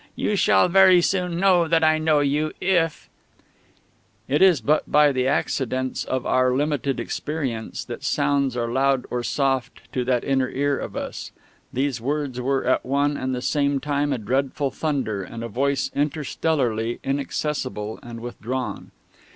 You shall very soon know that I know you, if ..."_ It is but by the accidence of our limited experience that sounds are loud or soft to that inner ear of us; these words were at one and the same time a dreadful thunder and a voice interstellarly inaccessible and withdrawn.